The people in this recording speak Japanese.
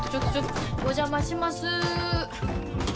お邪魔します。